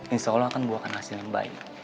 insya allah akan membuahkan hasil yang baik